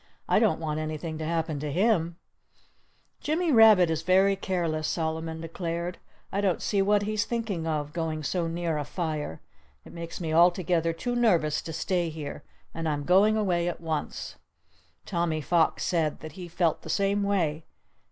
"I don't want anything to happen to him." "Jimmy Rabbit is very careless," Solomon declared. "I don't see what he's thinking of—going so near a fire! It makes me altogether too nervous to stay here. And I'm going away at once." Tommy Fox said that he felt the same way.